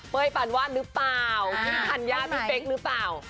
เบยฟันวาดหรือเปล่าพลิกธัญญาณรุเป๊กหรือเปล่า